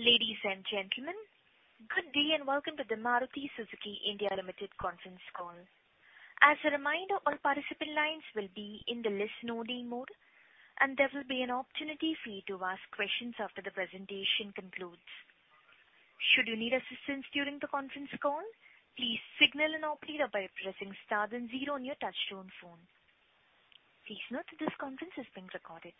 Ladies and gentlemen, good day and welcome to the Maruti Suzuki India Limited conference call. As a reminder, all participant lines will be in the listen-only mode, and there will be an opportunity for you to ask questions after the presentation concludes. Should you need assistance during the conference call, please signal an operator by pressing star then zero on your touch-tone phone. Please note that this conference is being recorded.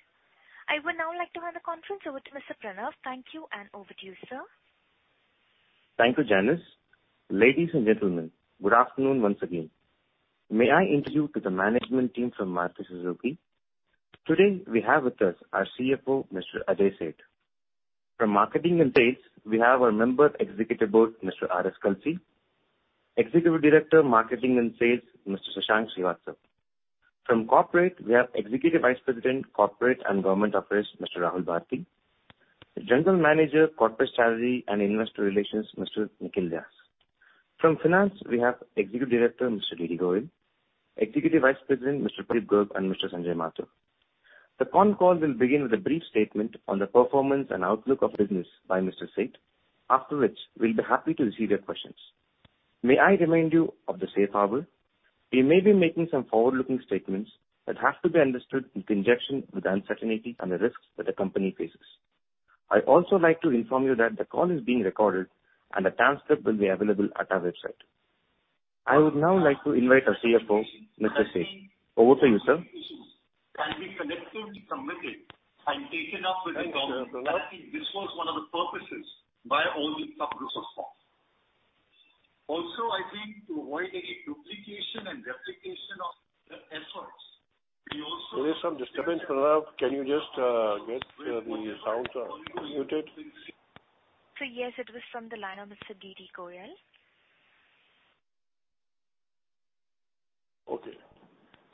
I would now like to hand the conference over to Mr. Pranav. Thank you, and over to you, sir. Thank you, Janice. Ladies and gentlemen, good afternoon once again. May I introduce the management team from Maruti Suzuki? Today, we have with us our CFO, Mr. Ajay Seth. From marketing and sales, we have our Member Executive Board, Mr. R.S. Kalsi. Executive Director Marketing and Sales, Mr. Shashank Srivastava. From corporate, we have Executive Vice President, Corporate and Government Affairs, Mr. Rahul Bharti. General Manager, Corporate Strategy and Investor Relations, Mr. Nikhil Vyas. From finance, we have Executive Director, Mr. D.D. Goyal. Executive Vice President, Mr. Pradeep Garg and Mr. Sanjay Mathur. The con call will begin with a brief statement on the performance and outlook of business by Mr. Seth, after which we'll be happy to receive your questions. May I remind you of the Safe Harbor? We may be making some forward-looking statements that have to be understood in conjunction with the uncertainty and the risks that the company faces. I'd also like to inform you that the call is being recorded, and a transcript will be available at our website. I would now like to invite our CFO, Mr. Seth. Over to you, sir. Can we collectively commit it and take it up with the government? I think this was one of the purposes by all the subgroups of SIAM. Also, I think to avoid any duplication and replication of the efforts, we also. There is some disturbance, Pranav. Can you just get the sound muted? Yes, it was from the line of Mr. Didi Govind. Okay.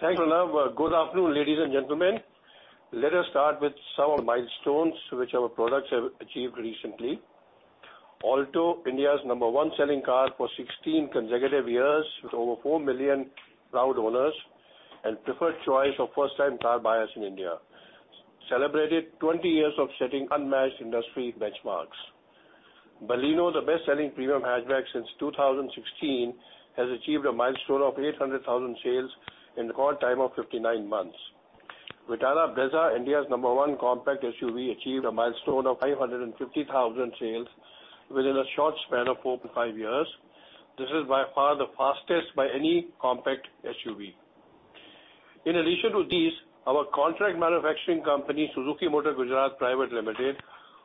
Thank you, Pranav. Good afternoon, ladies and gentlemen. Let us start with some of the milestones which our products have achieved recently. Alto, India's number one selling car for 16 consecutive years with over 4 million proud owners and preferred choice of first-time car buyers in India, celebrated 20 years of setting unmatched industry benchmarks. Baleno, the best-selling premium hatchback since 2016, has achieved a milestone of 800,000 sales in a record time of 59 months. Vitara Brezza, India's number one compact SUV, achieved a milestone of 550,000 sales within a short span of 4.5 years. This is by far the fastest by any compact SUV. In addition to these, our contract manufacturing company, Suzuki Motor Gujarat Private Limited,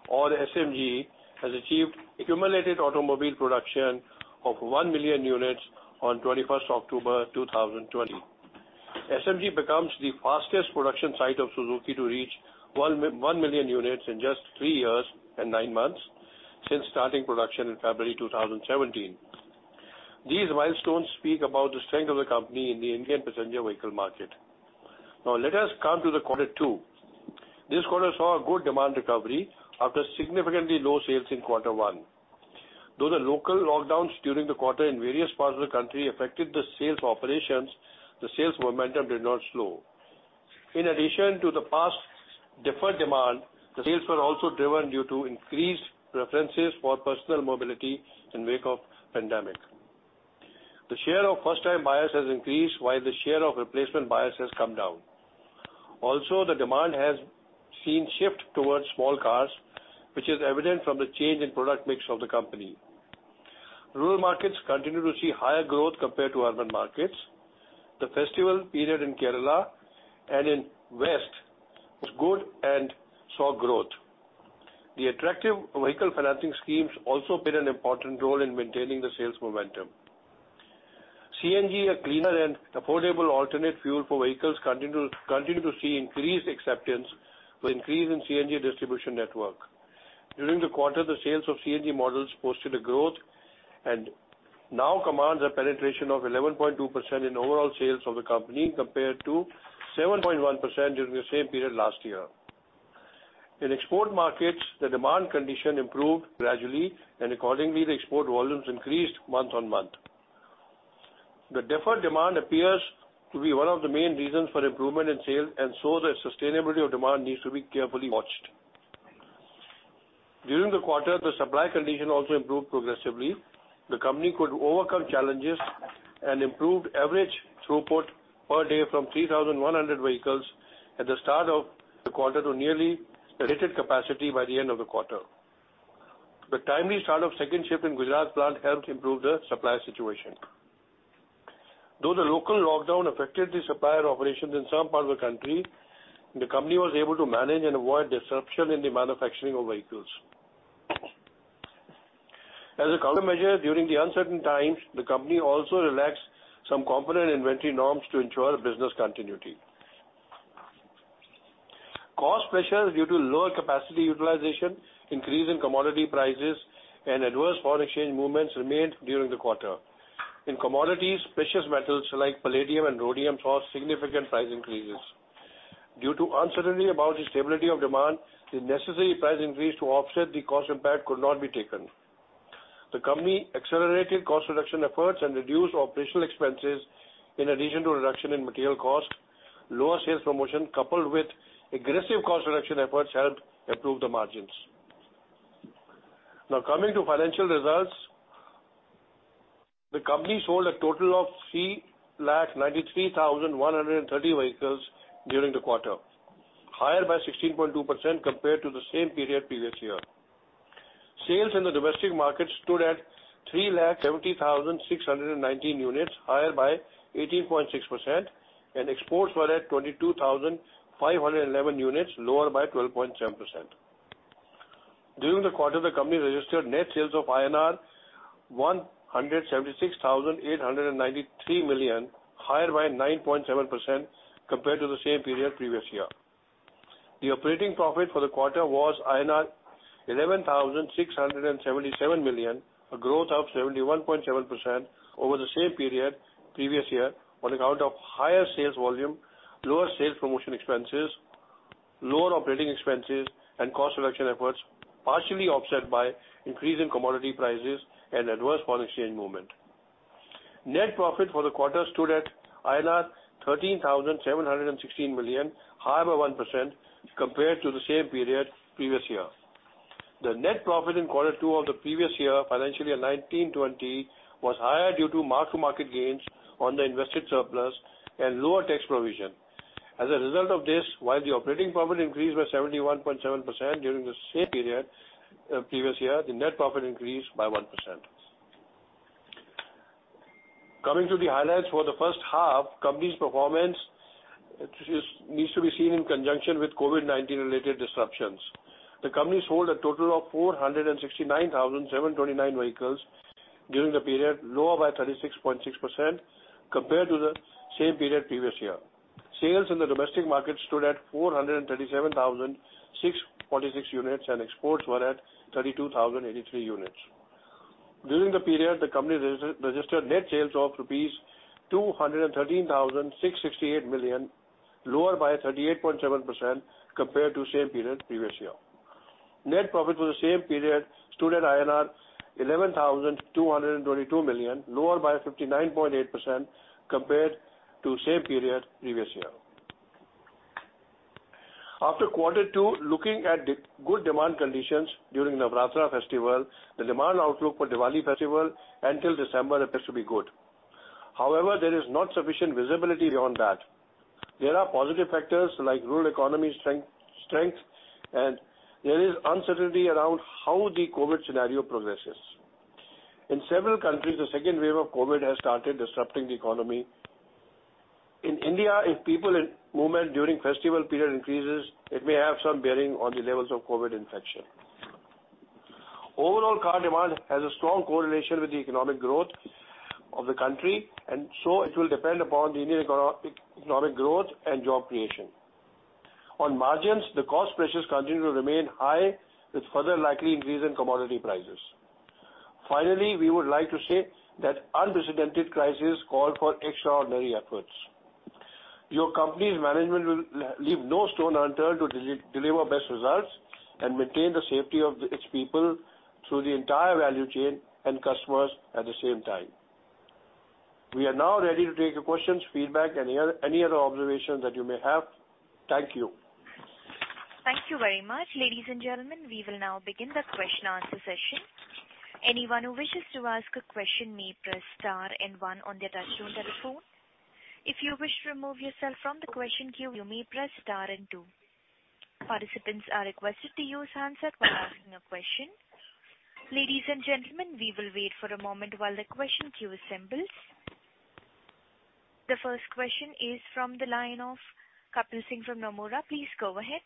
or SMG, has achieved accumulated automobile production of 1 million units on 21st October 2020. SMG becomes the fastest production site of Suzuki to reach 1 million units in just three years and nine months since starting production in February 2017. These milestones speak about the strength of the company in the Indian passenger vehicle market. Now, let us come to the quarter two. This quarter saw a good demand recovery after significantly low sales in quarter one. Though the local lockdowns during the quarter in various parts of the country affected the sales operations, the sales momentum did not slow. In addition to the past deferred demand, the sales were also driven due to increased preferences for personal mobility in the wake of the pandemic. The share of first-time buyers has increased while the share of replacement buyers has come down. Also, the demand has seen a shift towards small cars, which is evident from the change in product mix of the company. Rural markets continue to see higher growth compared to urban markets. The festival period in Kerala and in the West was good and saw growth. The attractive vehicle financing schemes also played an important role in maintaining the sales momentum. CNG, a cleaner and affordable alternate fuel for vehicles, continued to see increased acceptance with an increase in CNG distribution network. During the quarter, the sales of CNG models posted a growth and now commands a penetration of 11.2% in overall sales of the company compared to 7.1% during the same period last year. In export markets, the demand condition improved gradually, and accordingly, the export volumes increased month on month. The deferred demand appears to be one of the main reasons for improvement in sales, and so the sustainability of demand needs to be carefully watched. During the quarter, the supply condition also improved progressively. The company could overcome challenges and improved average throughput per day from 3,100 vehicles at the start of the quarter to nearly the rated capacity by the end of the quarter. The timely start of the second shift in Gujarat plant helped improve the supply situation. Though the local lockdown affected the supplier operations in some parts of the country, the company was able to manage and avoid disruption in the manufacturing of vehicles. As a countermeasure, during the uncertain times, the company also relaxed some component inventory norms to ensure business continuity. Cost pressures due to lower capacity utilization, increase in commodity prices, and adverse foreign exchange movements remained during the quarter. In commodities, precious metals like palladium and rhodium saw significant price increases. Due to uncertainty about the stability of demand, the necessary price increase to offset the cost impact could not be taken. The company accelerated cost reduction efforts and reduced operational expenses in addition to reduction in material cost. Lower sales promotion coupled with aggressive cost reduction efforts helped improve the margins. Now, coming to financial results, the company sold a total of 393,130 vehicles during the quarter, higher by 16.2% compared to the same period previous year. Sales in the domestic market stood at 370,619 units, higher by 18.6%, and exports were at 22,511 units, lower by 12.7%. During the quarter, the company registered net sales of INR 176,893 million, higher by 9.7% compared to the same period previous year. The operating profit for the quarter was INR 11,677 million, a growth of 71.7% over the same period previous year on account of higher sales volume, lower sales promotion expenses, lower operating expenses, and cost reduction efforts partially offset by increase in commodity prices and adverse foreign exchange movement. Net profit for the quarter stood at INR 13,716 million, higher by 1% compared to the same period previous year. The net profit in quarter two of the previous year, financial year 2019-2020, was higher due to mark-to-market gains on the invested surplus and lower tax provision. As a result of this, while the operating profit increased by 71.7% during the same period previous year, the net profit increased by 1%. Coming to the highlights for the first half, the company's performance needs to be seen in conjunction with COVID-19-related disruptions. The company sold a total of 469,729 vehicles during the period, lower by 36.6% compared to the same period previous year. Sales in the domestic market stood at 437,046 units, and exports were at 32,083 units. During the period, the company registered net sales of rupees 213,668 million, lower by 38.7% compared to the same period previous year. Net profit for the same period stood at INR 11,222 million, lower by 59.8% compared to the same period previous year. After quarter two, looking at good demand conditions during Navratra festival, the demand outlook for Diwali festival until December appears to be good. However, there is not sufficient visibility beyond that. There are positive factors like rural economy strength, and there is uncertainty around how the COVID scenario progresses. In several countries, the second wave of COVID has started disrupting the economy. In India, if people in movement during festival period increases, it may have some bearing on the levels of COVID infection. Overall, car demand has a strong correlation with the economic growth of the country, and so it will depend upon the Indian economic growth and job creation. On margins, the cost pressures continue to remain high, with further likely increase in commodity prices. Finally, we would like to say that unprecedented crises call for extraordinary efforts. Your company's management will leave no stone unturned to deliver best results and maintain the safety of its people through the entire value chain and customers at the same time. We are now ready to take your questions, feedback, and any other observations that you may have. Thank you. Thank you very much. Ladies and gentlemen, we will now begin the question-answer session. Anyone who wishes to ask a question may press star and one on their touch-tone telephone. If you wish to remove yourself from the question queue, you may press star and two. Participants are requested to use hands up while asking a question. Ladies and gentlemen, we will wait for a moment while the question queue assembles. The first question is from the line of Kapil Singh from Nomura. Please go ahead.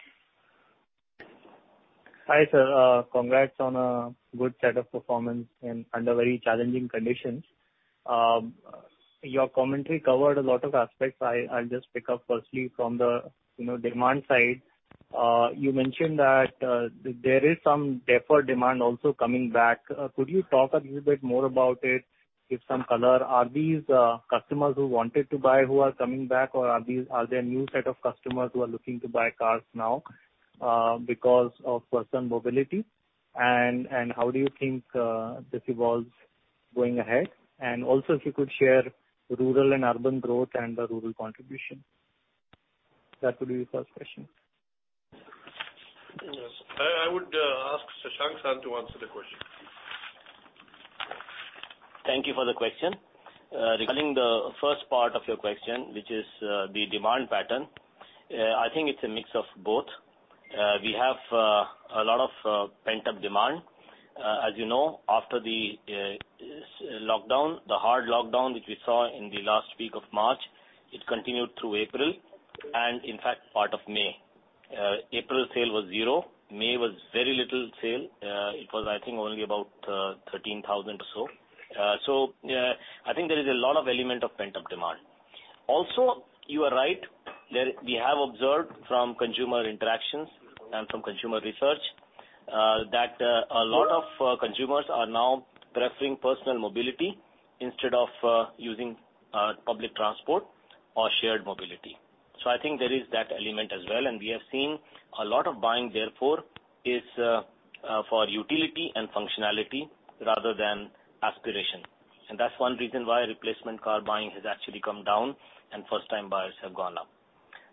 Hi sir. Congrats on a good set of performance under very challenging conditions. Your commentary covered a lot of aspects. I'll just pick up firstly from the demand side. You mentioned that there is some deferred demand also coming back. Could you talk a little bit more about it, give some color? Are these customers who wanted to buy who are coming back, or are there a new set of customers who are looking to buy cars now because of personal mobility? How do you think this evolves going ahead? Also, if you could share rural and urban growth and the rural contribution. That would be the first question. Yes. I would ask Shashank Srivastava to answer the question. Thank you for the question. Regarding the first part of your question, which is the demand pattern, I think it's a mix of both. We have a lot of pent-up demand. As you know, after the hard lockdown which we saw in the last week of March, it continued through April and, in fact, part of May. April sale was zero. May was very little sale. It was, I think, only about 13,000 or so. I think there is a lot of element of pent-up demand. Also, you are right. We have observed from consumer interactions and from consumer research that a lot of consumers are now preferring personal mobility instead of using public transport or shared mobility. I think there is that element as well. We have seen a lot of buying, therefore, is for utility and functionality rather than aspiration. That's one reason why replacement car buying has actually come down and first-time buyers have gone up.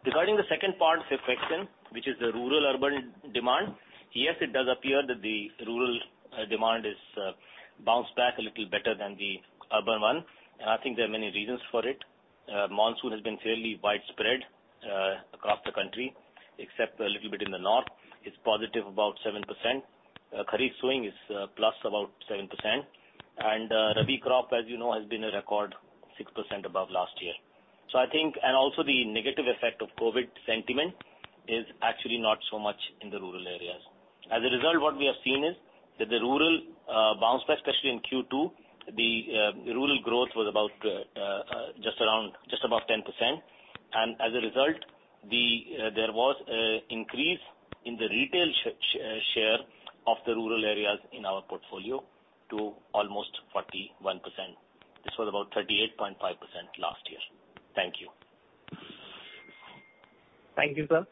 Regarding the second part, the effection, which is the rural-urban demand, yes, it does appear that the rural demand has bounced back a little better than the urban one. I think there are many reasons for it. Monsoon has been fairly widespread across the country, except a little bit in the north. It's positive about 7%. Kharif sowing is plus about 7%. Rabi crop, as you know, has been a record 6% above last year. I think, and also the negative effect of COVID sentiment is actually not so much in the rural areas. As a result, what we have seen is that the rural bounced back, especially in Q2. The rural growth was just around just about 10%. As a result, there was an increase in the retail share of the rural areas in our portfolio to almost 41%. This was about 38.5% last year. Thank you. Thank you, sir.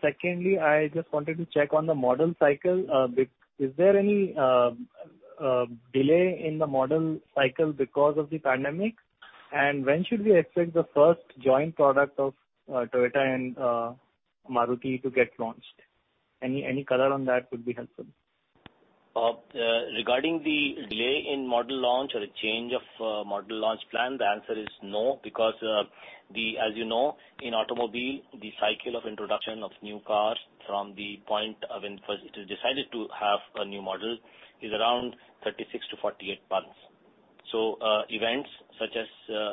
Secondly, I just wanted to check on the model cycle. Is there any delay in the model cycle because of the pandemic? When should we expect the first joint product of Toyota and Maruti to get launched? Any color on that would be helpful. Regarding the delay in model launch or the change of model launch plan, the answer is no. Because, as you know, in automobile, the cycle of introduction of new cars from the point when it is decided to have a new model is around 36-48 months. Events such as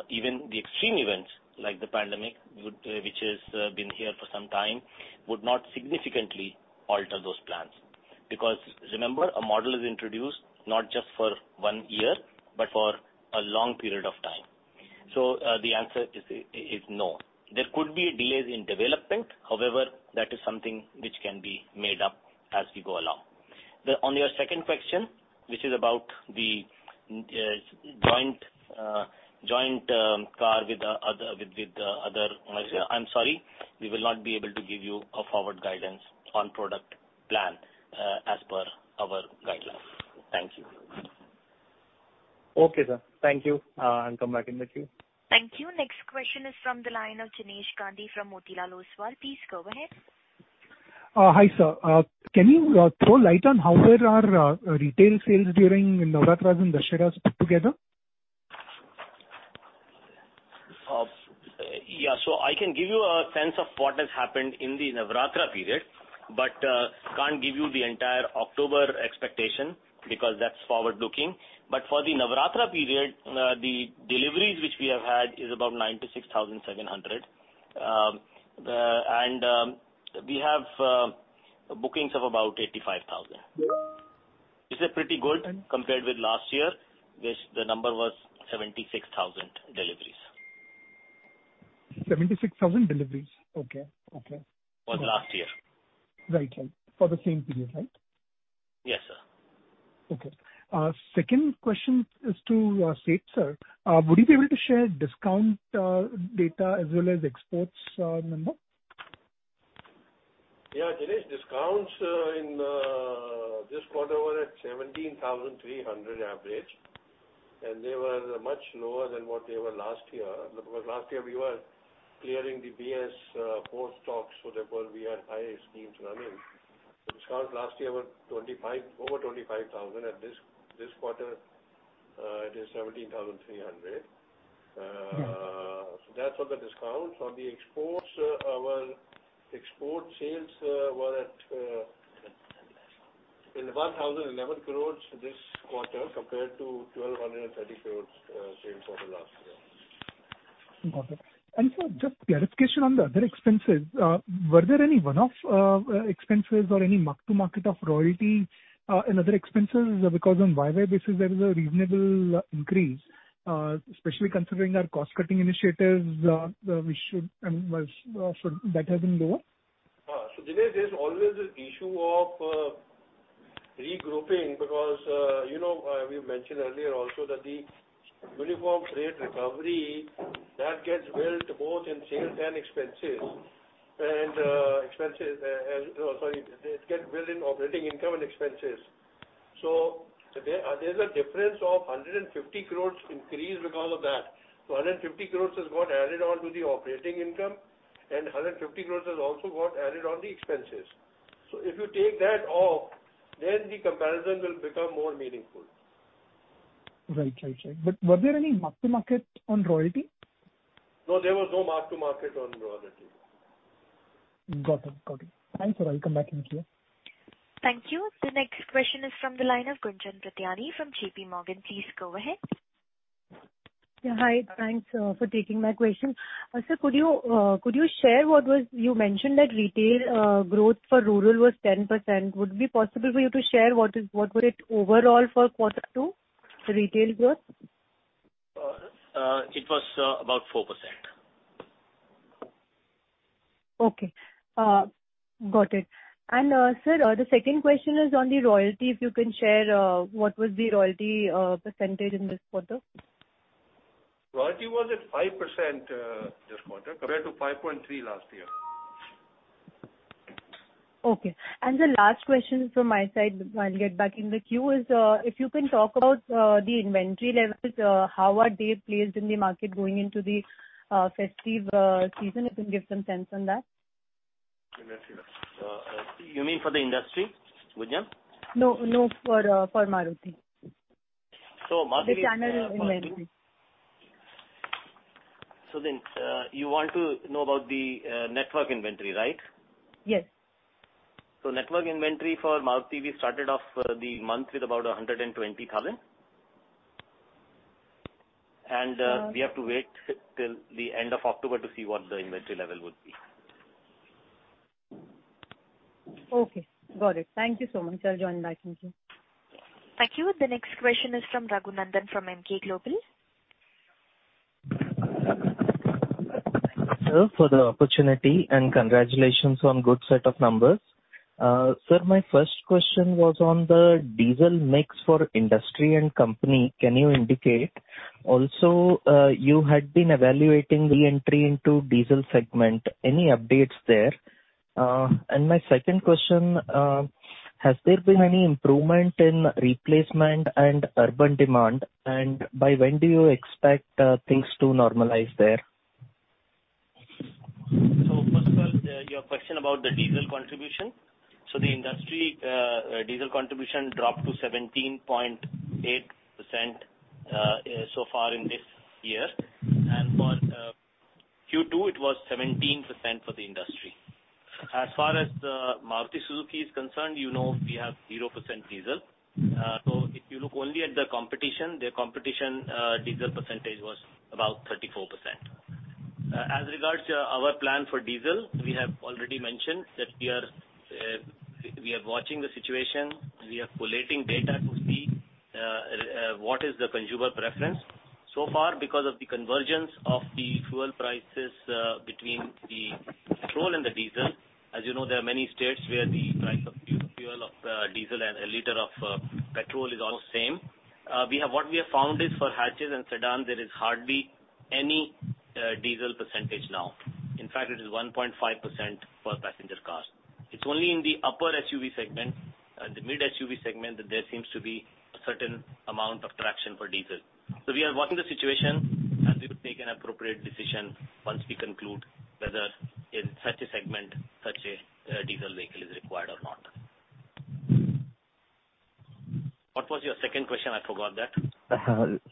even the extreme events like the pandemic, which has been here for some time, would not significantly alter those plans. Because remember, a model is introduced not just for one year, but for a long period of time. The answer is no. There could be delays in development. However, that is something which can be made up as we go along. On your second question, which is about the joint car with the other, I'm sorry. We will not be able to give you a forward guidance on product plan as per our guidelines. Thank you. Okay, sir. Thank you. I'll come back in the queue. Thank you. Next question is from the line of Jinesh Gandhi from Motilal Oswal. Please go ahead. Hi sir. Can you throw light on how far are retail sales during Navratras and Dusshiras put together? Yeah. I can give you a sense of what has happened in the Navratra period, but can't give you the entire October expectation because that's forward-looking. For the Navratra period, the deliveries which we have had is about 96,700. We have bookings of about 85,000. It's pretty good compared with last year, which the number was 76,000 deliveries. 76,000 deliveries. Okay. Okay. Was last year. Right. Right. For the same period, right? Yes, sir. Okay. Second question is to Seth, sir. Would you be able to share discount data as well as exports number? Yeah. Today's discounts in this quarter were at 17,300 average. They were much lower than what they were last year. Last year, we were clearing the BS-VI stocks, so therefore we had higher schemes running. The discounts last year were over 25,000. This quarter, it is 17,300. That is on the discounts. On the exports, our export sales were 1,011 crore this quarter compared to 1,230 crore sales quarter last year. Got it. Sir, just clarification on the other expenses. Were there any one-off expenses or any mark-to-market of royalty and other expenses? Because on year-over-year basis, there is a reasonable increase, especially considering our cost-cutting initiatives. That has been lower? Today, there's always the issue of regrouping because we mentioned earlier also that the uniform freight recovery, that gets built both in sales and expenses. Expenses, sorry, it gets built in operating income and expenses. There's a difference of 150 crore increase because of that. 150 crore has got added on to the operating income, and 150 crore has also got added on the expenses. If you take that off, then the comparison will become more meaningful. Right. Right. Right. Were there any mark-to-market on royalty? No, there was no mark-to-market on royalty. Got it. Got it. Thanks, sir. I'll come back in the queue. Thank you. The next question is from the line of Gunjan Prithyani from JPMorgan. Please go ahead. Yeah. Hi. Thanks for taking my question. Sir, could you share what was—you mentioned that retail growth for rural was 10%. Would it be possible for you to share what was it overall for quarter two retail growth? It was about 4%. Okay. Got it. Sir, the second question is on the royalty. If you can share what was the royalty percentage in this quarter? Royalty was at 5% this quarter compared to 5.3% last year. Okay. The last question from my side, I'll get back in the queue, is if you can talk about the inventory levels, how are they placed in the market going into the festive season? You can give some sense on that. You mean for the industry, Gunjan? No, no, for Maruti. Maruti inventory. The channel inventory. Then you want to know about the network inventory, right? Yes. Network inventory for Maruti, we started off the month with about 120,000. We have to wait till the end of October to see what the inventory level would be. Okay. Got it. Thank you so much. I'll join back in the queue. Thank you. The next question is from Raghunandan from Emkay Global. Hello. For the opportunity and congratulations on good set of numbers. Sir, my first question was on the diesel mix for industry and company. Can you indicate? Also, you had been evaluating re-entry into diesel segment. Any updates there? My second question, has there been any improvement in replacement and urban demand? By when do you expect things to normalize there? First of all, your question about the diesel contribution. The industry diesel contribution dropped to 17.8% so far in this year. For Q2, it was 17% for the industry. As far as Maruti Suzuki is concerned, you know we have 0% diesel. If you look only at the competition, their competition diesel percentage was about 34%. As regards to our plan for diesel, we have already mentioned that we are watching the situation. We are collating data to see what is the consumer preference. So far, because of the convergence of the fuel prices between the petrol and the diesel, as you know, there are many states where the price of fuel of diesel and a liter of petrol is almost the same. What we have found is for hatches and sedans, there is hardly any diesel percentage now. In fact, it is 1.5% for passenger cars. It's only in the upper SUV segment, the mid-SUV segment that there seems to be a certain amount of traction for diesel. We are watching the situation, and we will take an appropriate decision once we conclude whether in such a segment, such a diesel vehicle is required or not. What was your second question? I forgot that.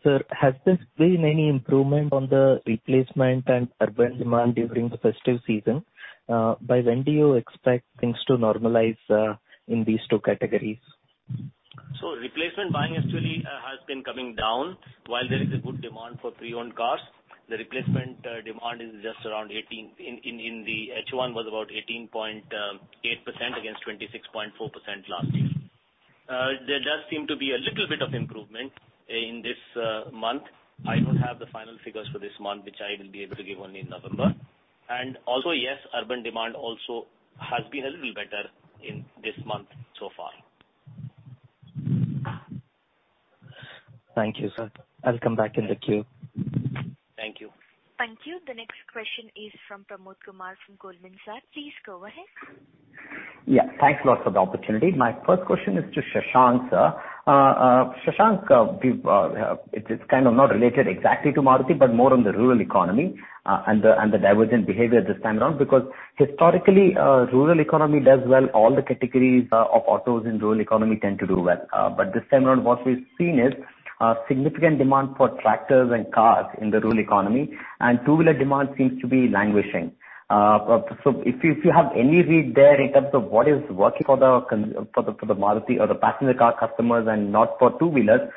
Sir, has there been any improvement on the replacement and urban demand during the festive season? By when do you expect things to normalize in these two categories? Replacement buying actually has been coming down. While there is a good demand for pre-owned cars, the replacement demand is just around 18%. In the first half it was about 18.8% against 26.4% last year. There does seem to be a little bit of improvement in this month. I do not have the final figures for this month, which I will be able to give only in November. Also, yes, urban demand also has been a little better in this month so far. Thank you, sir. I'll come back in the queue. Thank you. Thank you. The next question is from Pramod Kumar from Goldman Sachs. Please go ahead. Yeah. Thanks a lot for the opportunity. My first question is to Shashank, sir. Shashank, it's kind of not related exactly to Maruti, but more on the rural economy and the divergent behavior this time around. Because historically, rural economy does well. All the categories of autos in rural economy tend to do well. This time around, what we've seen is significant demand for tractors and cars in the rural economy. Two-wheeler demand seems to be languishing. If you have any read there in terms of what is working for the Maruti or the passenger car customers and not for two-wheelers,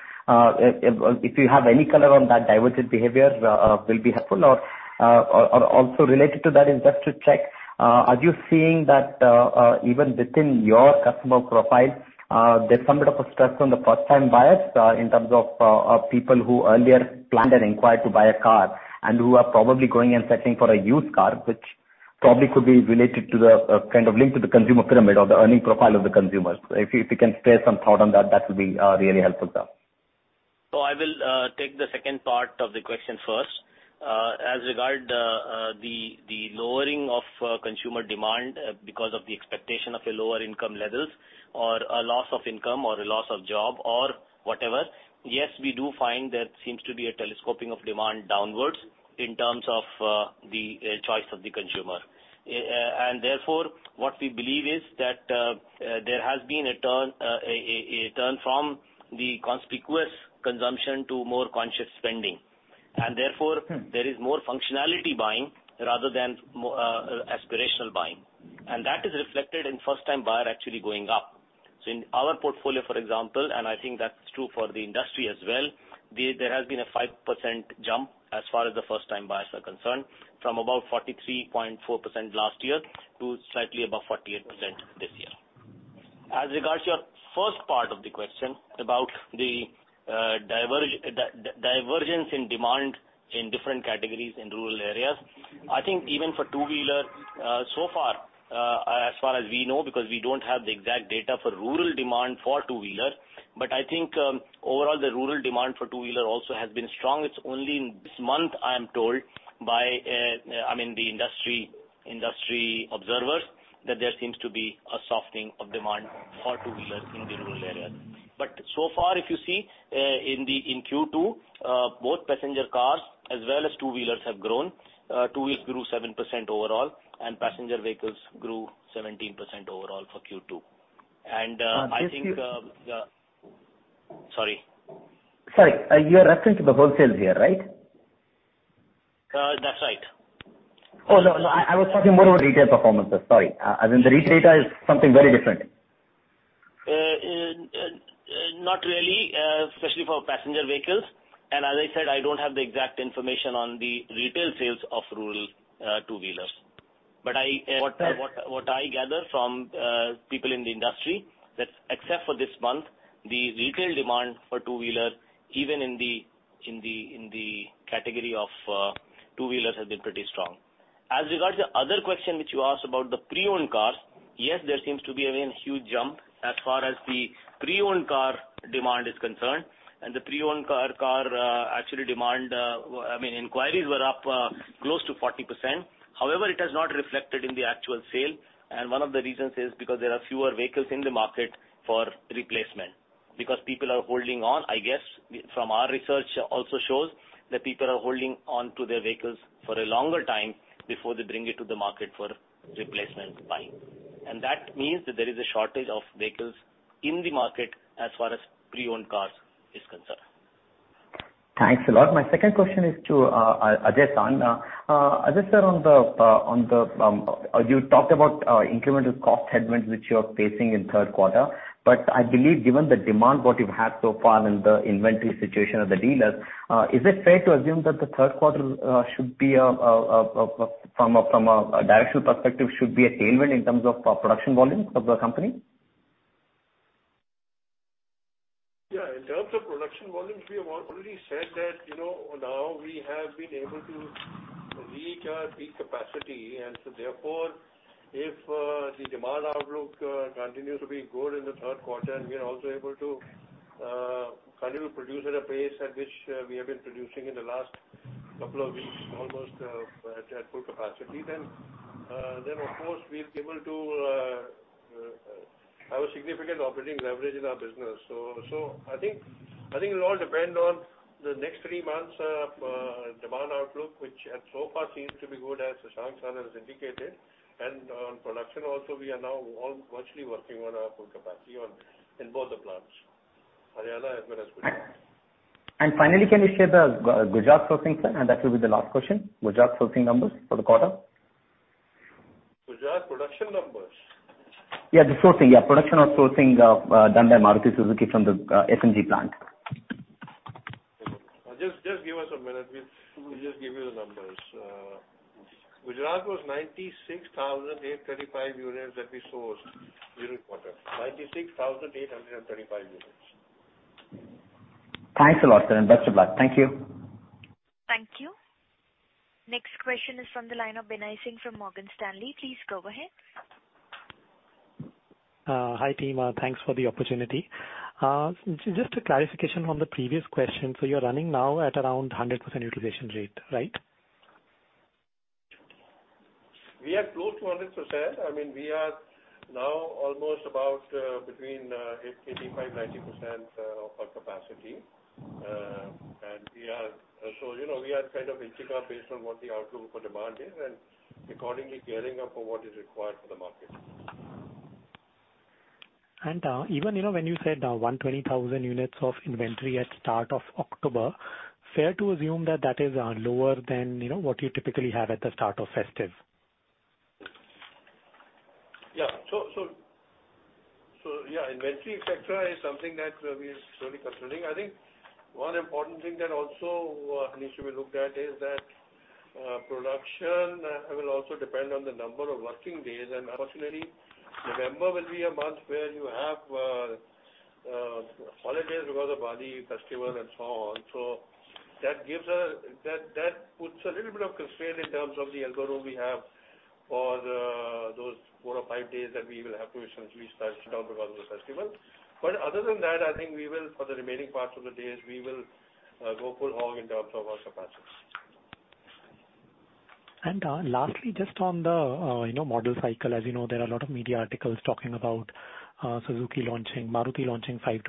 if you have any color on that divergent behavior, it will be helpful. Or also related to that is just to check, are you seeing that even within your customer profile, there's some bit of a stress on the first-time buyers in terms of people who earlier planned and inquired to buy a car and who are probably going and settling for a used car, which probably could be related to the kind of link to the consumer pyramid or the earning profile of the consumers? If you can spare some thought on that, that would be really helpful, sir. I will take the second part of the question first. As regard the lowering of consumer demand because of the expectation of a lower income levels or a loss of income or a loss of job or whatever, yes, we do find there seems to be a telescoping of demand downwards in terms of the choice of the consumer. Therefore, what we believe is that there has been a turn from the conspicuous consumption to more conscious spending. Therefore, there is more functionality buying rather than aspirational buying. That is reflected in first-time buyer actually going up. In our portfolio, for example, and I think that's true for the industry as well, there has been a 5% jump as far as the first-time buyers are concerned from about 43.4% last year to slightly above 48% this year. As regards to your first part of the question about the divergence in demand in different categories in rural areas, I think even for two-wheeler, so far, as far as we know, because we don't have the exact data for rural demand for two-wheeler, but I think overall the rural demand for two-wheeler also has been strong. It's only this month, I am told by, I mean, the industry observers that there seems to be a softening of demand for two-wheelers in the rural areas. So far, if you see in Q2, both passenger cars as well as two-wheelers have grown. Two-wheelers grew 7% overall, and passenger vehicles grew 17% overall for Q2. I think. Sorry. Sorry. You're referring to the wholesales here, right? That's right. Oh, no, no. I was talking more about retail performances. Sorry. I mean, the retail data is something very different. Not really, especially for passenger vehicles. As I said, I don't have the exact information on the retail sales of rural two-wheelers. What I gather from people in the industry is that except for this month, the retail demand for two-wheelers, even in the category of two-wheelers, has been pretty strong. As regards to the other question which you asked about the pre-owned cars, yes, there seems to be a huge jump as far as the pre-owned car demand is concerned. The pre-owned car actually demand, I mean, inquiries were up close to 40%. However, it has not reflected in the actual sale. One of the reasons is because there are fewer vehicles in the market for replacement. Because people are holding on, I guess, from our research also shows that people are holding on to their vehicles for a longer time before they bring it to the market for replacement buying. That means that there is a shortage of vehicles in the market as far as pre-owned cars is concerned. Thanks a lot. My second question is to Ajay Sir. Ajay Sir, you talked about incremental cost headwinds which you're facing in third quarter. I believe given the demand what you've had so far and the inventory situation of the dealers, is it fair to assume that the third quarter should be, from a directional perspective, a tailwind in terms of production volumes of the company? Yeah. In terms of production volumes, we have already said that now we have been able to reach our peak capacity. Therefore, if the demand outlook continues to be good in the third quarter and we are also able to continue to produce at a pace at which we have been producing in the last couple of weeks, almost at full capacity, of course, we will be able to have a significant operating leverage in our business. I think it will all depend on the next three months' demand outlook, which so far seems to be good as Shashank Srivastava has indicated. On production also, we are now virtually working on our full capacity in both the plants, Haryana as well as Gujarat. Finally, can you share the Gujarat sourcing? That will be the last question. Gujarat sourcing numbers for the quarter? Gujarat production numbers? Yeah, the sourcing. Yeah. Production or sourcing done by Maruti Suzuki from the SMG plant. Just give us a minute. We'll just give you the numbers. Gujarat was 96,835 units that we sourced during the quarter. 96,835 units. Thanks a lot, sir. Best of luck. Thank you. Thank you. Next question is from the line of Binay Singh from Morgan Stanley. Please go ahead. Hi Teema. Thanks for the opportunity. Just a clarification on the previous question. You're running now at around 100% utilization rate, right? We are close to 100%. I mean, we are now almost about between 85%-90% of our capacity. We are kind of inching up based on what the outlook for demand is and accordingly gearing up for what is required for the market. Even when you said 120,000 units of inventory at start of October, fair to assume that that is lower than what you typically have at the start of festive? Yeah. So yeah, inventory, etc., is something that we are slowly considering. I think one important thing that also needs to be looked at is that production will also depend on the number of working days. Unfortunately, November will be a month where you have holidays because of Diwali festival and so on. That puts a little bit of constraint in terms of the algorithm we have for those four or five days that we will have to essentially shut down because of the festival. Other than that, I think for the remaining parts of the days, we will go full hog in terms of our capacity. Lastly, just on the model cycle, as you know, there are a lot of media articles talking about Suzuki launching, Maruti launching 5-6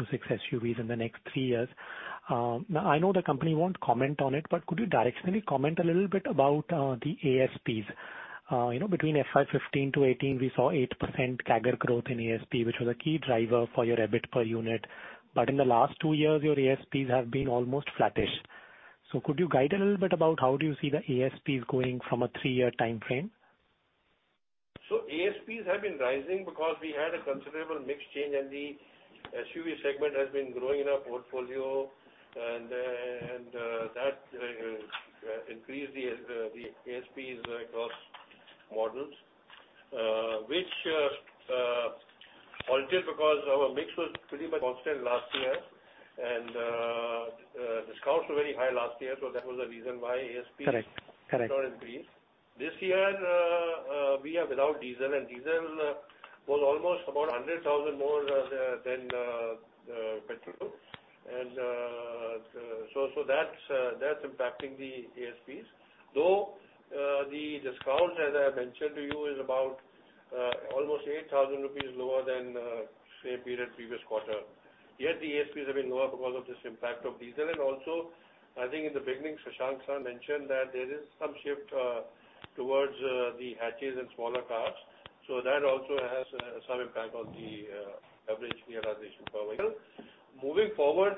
SUVs in the next three years. Now, I know the company won't comment on it, but could you directionally comment a little bit about the ASPs? Between FY 2015 to 2018, we saw 8% CAGR growth in ASP, which was a key driver for your EBIT per unit. In the last two years, your ASPs have been almost flattish. Could you guide a little bit about how you see the ASPs going from a three-year time frame? ASPs have been rising because we had a considerable mix change and the SUV segment has been growing in our portfolio. That increased the ASPs across models, which altered because our mix was pretty much constant last year. Discounts were very high last year. That was the reason why ASPs did not increase. This year, we are without diesel. Diesel was almost about 100,000 more than petrol. That is impacting the ASPs. Though the discount, as I mentioned to you, is about almost 8,000 rupees lower than same period previous quarter. Yet the ASPs have been lower because of this impact of diesel. Also, I think in the beginning, Shashank San mentioned that there is some shift towards the hatches and smaller cars. That also has some impact on the average realization per vehicle. Moving forward,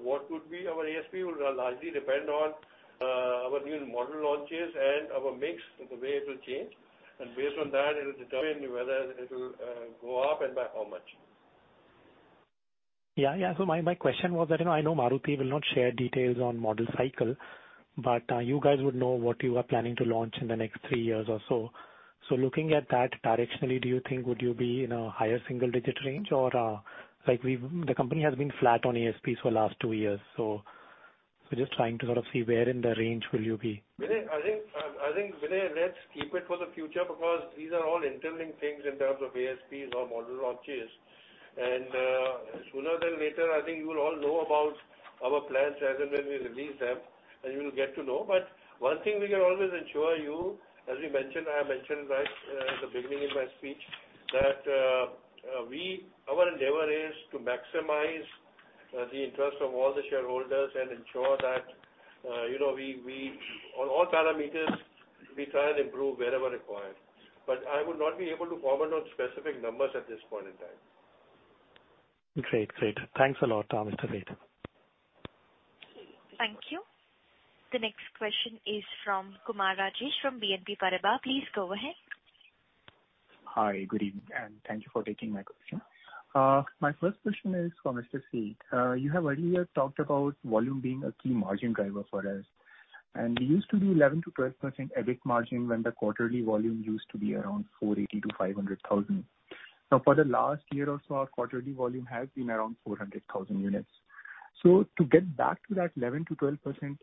what would be our ASP will largely depend on our new model launches and our mix, the way it will change. Based on that, it will determine whether it will go up and by how much. Yeah. Yeah. My question was that I know Maruti will not share details on model cycle, but you guys would know what you are planning to launch in the next three years or so. Looking at that directionally, do you think would you be in a higher single-digit range or the company has been flat on ASPs for the last two years? Just trying to sort of see where in the range will you be? I think, Vinay, let's keep it for the future because these are all interlinked things in terms of ASPs or model launches. Sooner than later, I think you will all know about our plans as and when we release them, and you will get to know. One thing we can always ensure you, as I mentioned right at the beginning in my speech, is that our endeavor is to maximize the interest of all the shareholders and ensure that on all parameters, we try and improve wherever required. I would not be able to comment on specific numbers at this point in time. Great. Great. Thanks a lot, Mr. Seth. Thank you. The next question is from Kumar Rajesh from BNP Paribas. Please go ahead. Hi. Good evening. Thank you for taking my question. My first question is for Mr. Seth. You have earlier talked about volume being a key margin driver for us. We used to be at 11%-12% EBIT margin when the quarterly volume used to be around 480,000-500,000. Now, for the last year or so, our quarterly volume has been around 400,000 units. To get back to that 11%-12%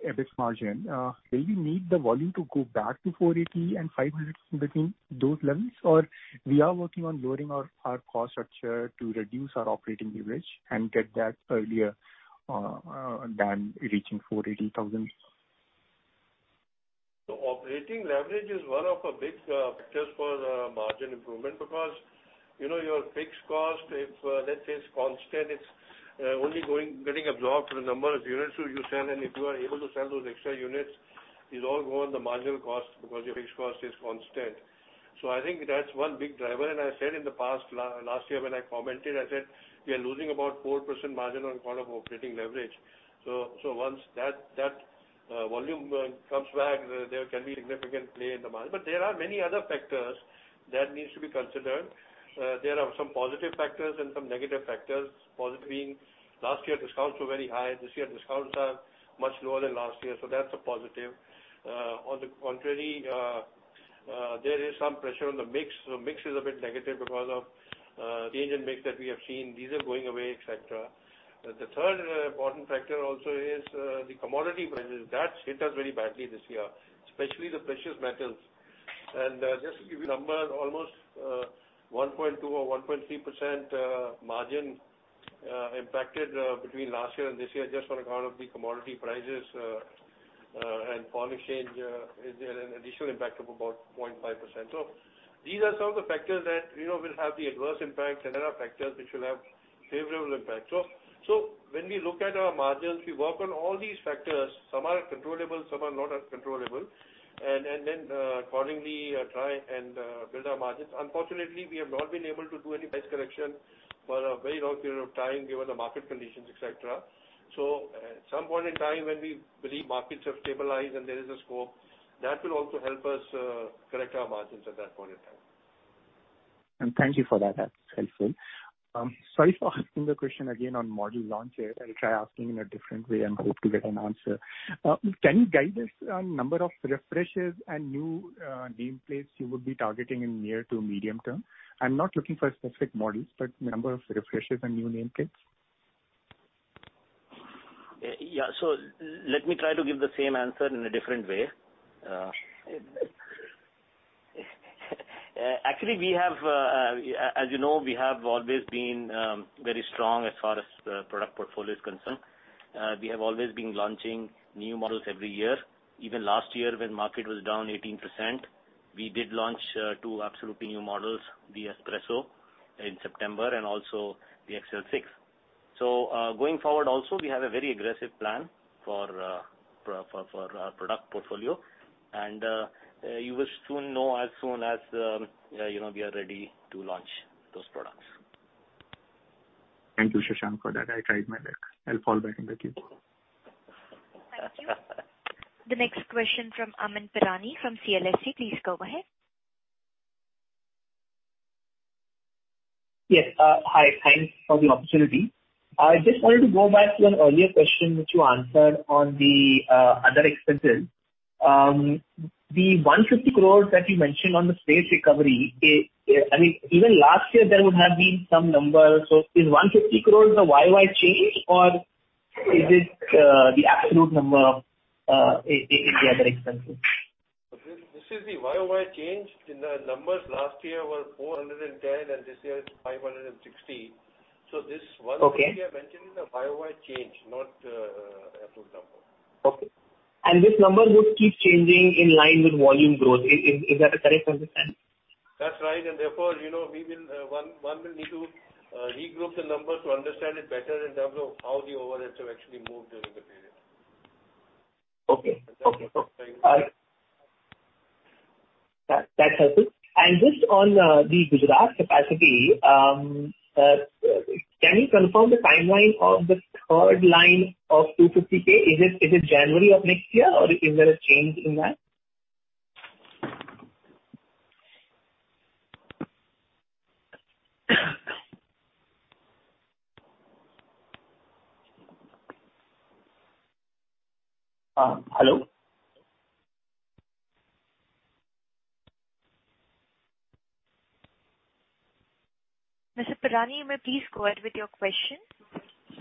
EBIT margin, will you need the volume to go back to 480,000-500,000, in between those levels, or are we working on lowering our cost structure to reduce our operating leverage and get that earlier than reaching 480,000? Operating leverage is one of the big factors for margin improvement because your fixed cost, if let's say it's constant, is only getting absorbed for the number of units you sell. If you are able to sell those extra units, it's all going on the marginal cost because your fixed cost is constant. I think that's one big driver. I said in the past, last year when I commented, I said we are losing about 4% margin on the point of operating leverage. Once that volume comes back, there can be a significant play in the margin. There are many other factors that need to be considered. There are some positive factors and some negative factors, positive being last year discounts were very high. This year, discounts are much lower than last year. That's a positive. On the contrary, there is some pressure on the mix. The mix is a bit negative because of change in mix that we have seen. These are going away, etc. The third important factor also is the commodity prices. That has hit us very badly this year, especially the precious metals. Just to give you numbers, almost 1.2% or 1.3% margin impacted between last year and this year just on account of the commodity prices and foreign exchange is an additional impact of about 0.5%. These are some of the factors that will have the adverse impact. There are factors which will have favorable impact. When we look at our margins, we work on all these factors. Some are controllable. Some are not controllable. Then accordingly, try and build our margins. Unfortunately, we have not been able to do any price correction for a very long period of time given the market conditions, etc. At some point in time, when we believe markets have stabilized and there is a scope, that will also help us correct our margins at that point in time. Thank you for that. That's helpful. Sorry for asking the question again on model launch here. I'll try asking in a different way and hope to get an answer. Can you guide us on number of refreshers and new nameplates you would be targeting in near to medium term? I'm not looking for specific models, but number of refreshers and new nameplates. Yeah. Let me try to give the same answer in a different way. Actually, as you know, we have always been very strong as far as the product portfolio is concerned. We have always been launching new models every year. Even last year, when the market was down 18%, we did launch two absolutely new models, the S-Presso in September and also the XL6. Going forward also, we have a very aggressive plan for our product portfolio. You will soon know as soon as we are ready to launch those products. Thank you, Shashank, for that. I tried my best. I'll fall back into it. Thank you. The next question from Amyn Pirani from CLSA. Please go ahead. Yes. Hi. Thanks for the opportunity. I just wanted to go back to an earlier question which you answered on the other expenses. The 150 crore that you mentioned on the space recovery, I mean, even last year, there would have been some number. So is 150 crore the year-over-year change, or is it the absolute number of the other expenses? This is the YY change. The numbers last year were 410, and this year it's 560. This one year we are mentioning the YY change, not the absolute number. Okay. This number would keep changing in line with volume growth. Is that a correct understanding? That's right. Therefore, one will need to regroup the numbers to understand it better in terms of how the overheads have actually moved during the period. Okay. Okay. That's helpful. Just on the Gujarat capacity, can you confirm the timeline of the third line of 250K? Is it January of next year, or is there a change in that? Hello? Mr. Piranni, may I please go ahead with your question?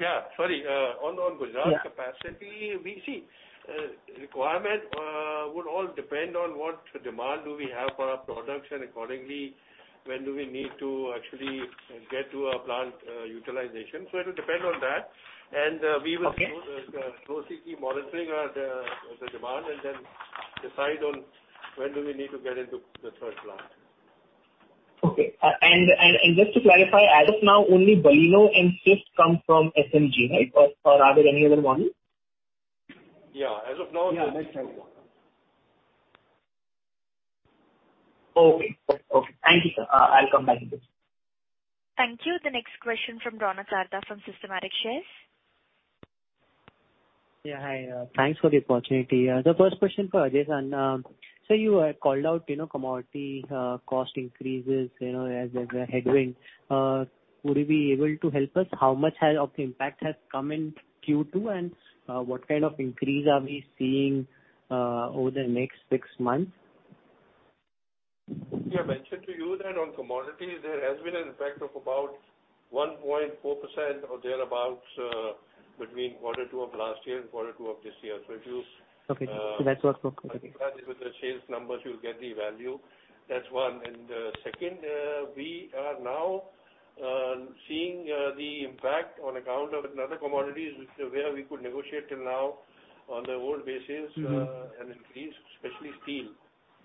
Yeah. Sorry. On Gujarat capacity, see, requirement would all depend on what demand do we have for our products and accordingly, when do we need to actually get to a plant utilization. It will depend on that. We will closely keep monitoring the demand and then decide on when do we need to get into the third plant. Okay. Just to clarify, as of now, only Baleno and Swift come from SMG, right? Or are there any other models? Yeah. As of now. Yeah. That's helpful. Okay. Okay. Thank you, sir. I'll come back to this. Thank you. The next question from Ronak Sarda from Systematix Shares. Yeah. Hi. Thanks for the opportunity. The first question for Ajay San. You called out commodity cost increases as a headwind. Would you be able to help us? How much of the impact has come in Q2, and what kind of increase are we seeing over the next six months? We have mentioned to you that on commodities, there has been an impact of about 1.4% or thereabouts between quarter two of last year and quarter two of this year. If you. Okay. So that's what's working with. With the sales numbers, you'll get the value. That's one. Second, we are now seeing the impact on account of another commodity where we could negotiate till now on the old basis and increase, especially steel,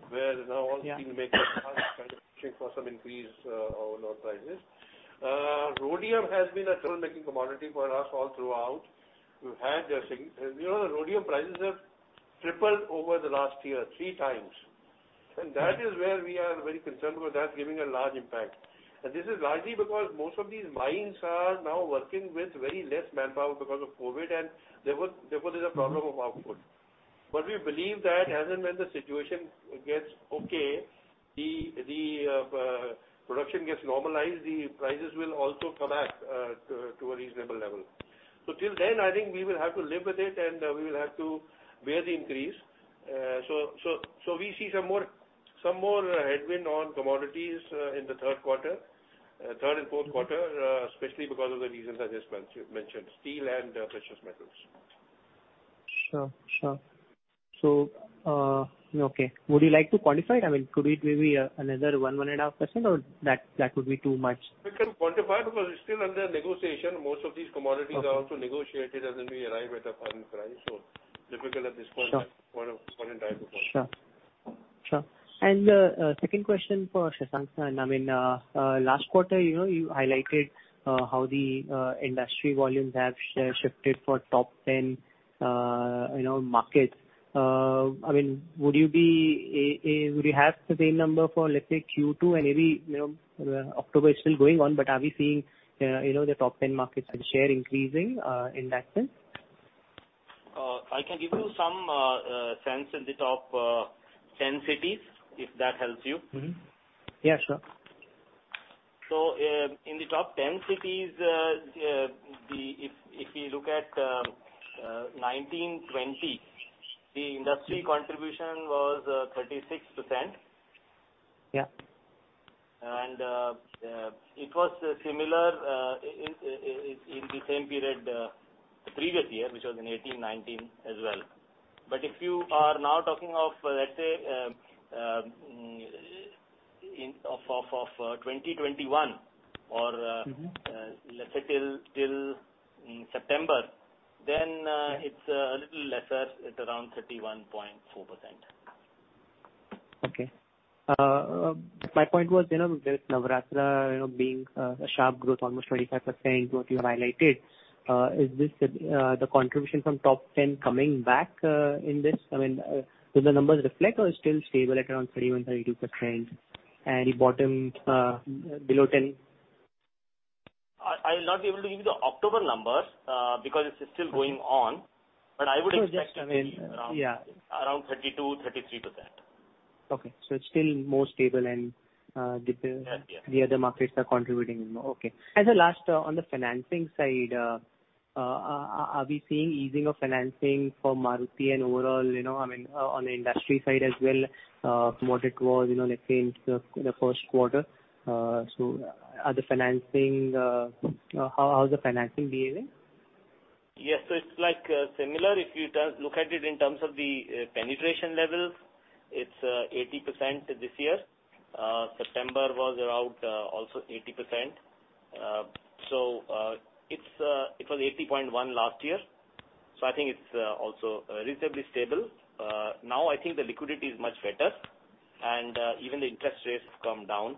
where now all steel makers are kind of pushing for some increase on our prices. Rhodium has been a troublemaking commodity for us all throughout. We've had the rhodium prices have tripled over the last year, 3x. That is where we are very concerned because that's giving a large impact. This is largely because most of these mines are now working with very less manpower because of COVID, and therefore there's a problem of output. We believe that as and when the situation gets okay, the production gets normalized, the prices will also come back to a reasonable level. Till then, I think we will have to live with it, and we will have to bear the increase. We see some more headwind on commodities in the third quarter, third and fourth quarter, especially because of the reasons I just mentioned, steel and precious metals. Sure. Sure. Okay. Would you like to quantify it? I mean, could it be another 1%-1.5%, or that would be too much? We can quantify it because it's still under negotiation. Most of these commodities are also negotiated as we arrive at a final price. Difficult at this point in time to quantify. Sure. Sure. The second question for Shashank San. I mean, last quarter, you highlighted how the industry volumes have shifted for top 10 markets. I mean, would you have the same number for, let's say, Q2? Maybe October is still going on, but are we seeing the top 10 markets share increasing in that sense? I can give you some sense in the top 10 cities, if that helps you. Yeah. Sure. In the top 10 cities, if we look at 2019-2020, the industry contribution was 36%. It was similar in the same period the previous year, which was in 2018-2019 as well. If you are now talking of, let's say, 2021 or let's say till September, then it's a little lesser. It's around 31.4%. Okay. My point was there is Navratra being a sharp growth, almost 25%, what you highlighted. Is this the contribution from top 10 coming back in this? I mean, do the numbers reflect, or it's still stable at around 31%-32%, and it bottomed below 10%? I will not be able to give you the October numbers because it's still going on, but I would expect to see around 32%-33%. Okay. It is still more stable, and the other markets are contributing more. Okay. Then last, on the financing side, are we seeing easing of financing for Maruti and overall, I mean, on the industry side as well, from what it was, let's say, in the first quarter? How is the financing behaving? Yes. It is similar. If you look at it in terms of the penetration levels, it is 80% this year. September was also around 80%. It was 80.1% last year. I think it is also reasonably stable. Now, I think the liquidity is much better, and even the interest rates have come down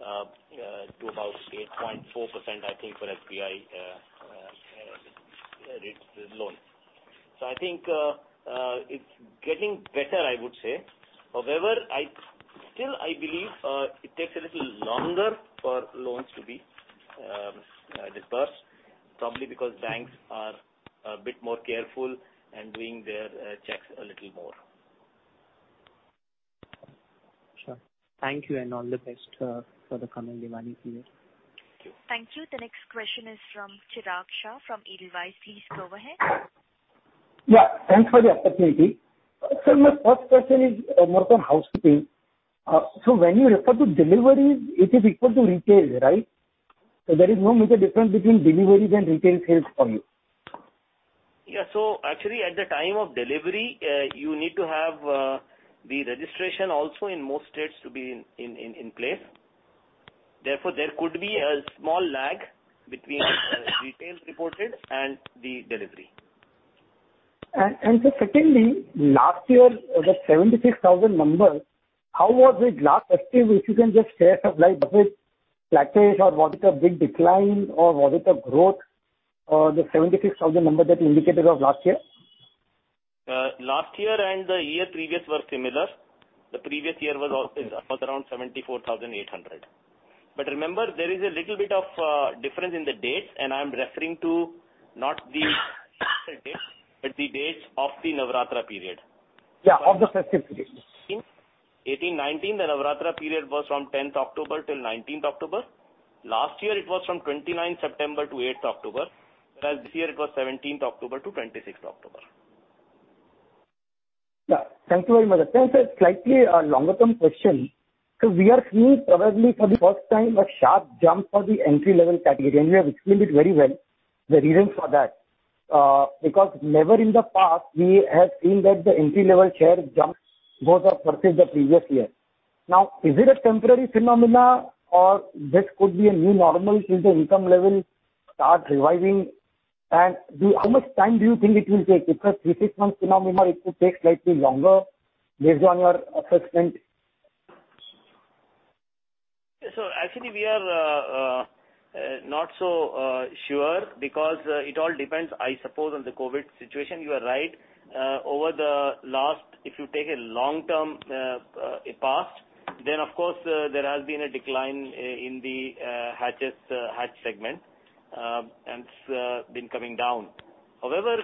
to about 8.4%, I think, for SBI loans. I think it is getting better, I would say. However, still, I believe it takes a little longer for loans to be disbursed, probably because banks are a bit more careful and doing their checks a little more. Sure. Thank you, and all the best for the coming demanding period. Thank you. Thank you. The next question is from Chirag Shah from Edelweiss. Please go ahead. Yeah. Thanks for the opportunity. My first question is more on housekeeping. When you refer to deliveries, it is equal to retail, right? There is no major difference between deliveries and retail sales for you. Yeah. Actually, at the time of delivery, you need to have the registration also in most states to be in place. Therefore, there could be a small lag between retail reported and the delivery. Just secondly, last year, the 76,000 number, how was it last? Let's see if you can just share supply. Was it flattish, or was it a big decline, or was it a growth, the 76,000 number that indicated of last year? Last year and the year previous were similar. The previous year was around 74,800. Remember, there is a little bit of difference in the dates, and I'm referring to not the actual dates, but the dates of the Navratra period. Yeah. Of the festive period. 1819, the Navratra period was from 10th October till 19th October. Last year, it was from 29 September to 8th October, whereas this year it was 17th October to 26th October. Yeah. Thank you very much. Let me ask a slightly longer-term question. We are seeing probably for the first time a sharp jump for the entry-level category, and you have explained it very well. The reason for that is because never in the past have we seen that the entry-level share jump goes up versus the previous year. Now, is it a temporary phenomenon, or this could be a new normal till the income level starts reviving? How much time do you think it will take? If it's a three- to six-month phenomenon, it could take slightly longer based on your assessment. Actually, we are not so sure because it all depends, I suppose, on the COVID situation. You are right. Over the last, if you take a long-term past, then, of course, there has been a decline in the hatch segment, and it's been coming down. However,